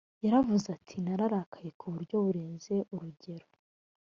yaravuze ati “nararakaye ku buryo burenze urugero”